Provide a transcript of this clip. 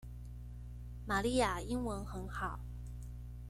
瑪麗亞英文很好